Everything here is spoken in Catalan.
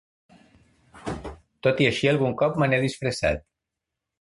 Tot i així, algun cop me n'he disfressat.